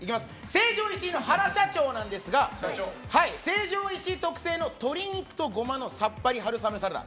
成城石井の原社長なんですが成城石井特製の鶏肉とごまのさっぱり春雨サラダ。